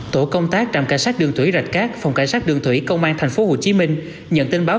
tổ công tác trạm cảnh sát đường thủy rạch cát phòng cảnh sát đường thủy công an tp hcm nhận tin báo